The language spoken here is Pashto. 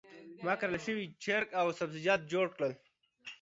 ما ګرل شوي چرګ او سبزیجات جوړ کړل.